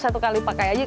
satu kali pakai aja